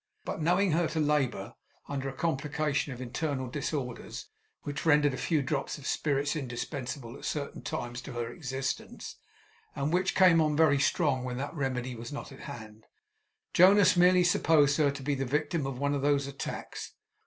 But, knowing her to labour under a complication of internal disorders, which rendered a few drops of spirits indispensable at certain times to her existence, and which came on very strong when that remedy was not at hand, Jonas merely supposed her to be the victim of one of these attacks.